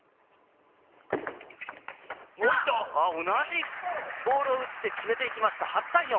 同じボールを打って決めていきました。